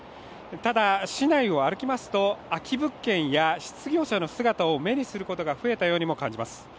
ただ、市内を歩きますと空き物件や失業者の姿を目にすることが増えたようにも感じます。